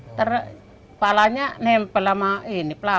ntar palanya nempel sama ini